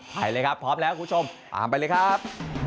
ไปเลยครับพร้อมแล้วคุณผู้ชมตามไปเลยครับ